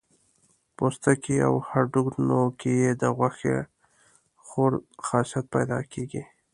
پوستکي او هډونو کې یې د غوښه خور خاصیت پیدا کېږي.